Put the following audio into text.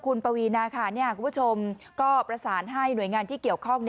คุณปวีนาค่ะคุณผู้ชมก็ประสานให้หน่วยงานที่เกี่ยวข้อง